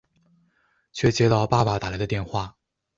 却接到爸爸打来的电话